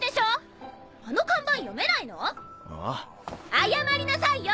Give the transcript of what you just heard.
謝りなさいよ！